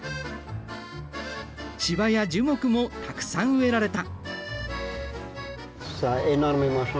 芝や樹木もたくさん植えられた。